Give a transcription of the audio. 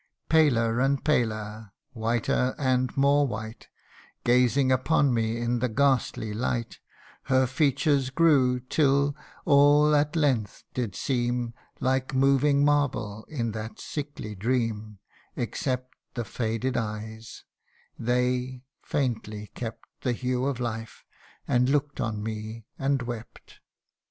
Paler and paler whiter and more white Gazing upon me in the ghastly light, Her features grew ; till all at length did seem Like moving marble, in that sickly dream, Except the faded eyes ; they faintly kept The hue of life, and look'd on me, and wept.